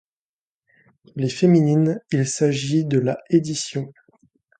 Pour les féminines, il s'agit de la édition.